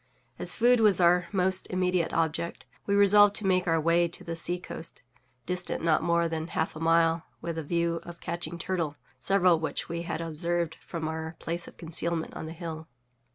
As food was our most immediate object, we resolved to make our way to the seacoast, distant not more than half a mile, with a view of catching turtle, several of which we had observed from our place of concealment on the hill.